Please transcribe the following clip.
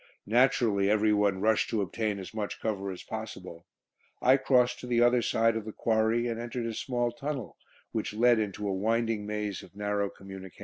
Naturally every one rushed to obtain as much cover as possible. I crossed to the other side of the Quarry, and entered a small tunnel, which led into a winding maze of narrow communication trenches.